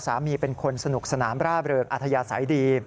สามีเป็นคนสนุกสนามร่าเบลอคอธยาสายดี